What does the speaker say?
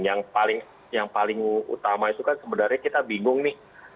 yang paling utama itu kan sebenarnya kita bingung nih